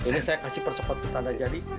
ini saya kasih persekotu tanda jadi